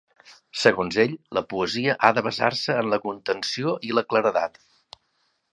Segons ell, la poesia ha de basar-se en la contenció i la claredat.